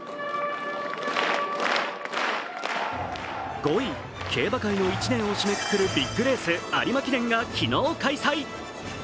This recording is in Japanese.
５位、競馬界の１年を締めくくるビッグレース、有馬記念が昨日、開催。